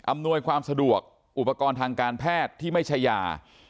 อำนวยความสะดวกอุปกรณ์ทางการแพทย์ที่ไม่ใช่ยา